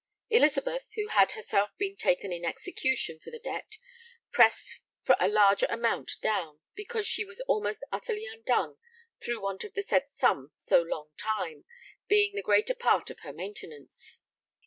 Elizabeth, who had herself been 'taken in execution' for the debt, pressed for a larger amount down, because she was 'almost utterly undone through want of the said sum so long time, being the greater part of her maintenance.'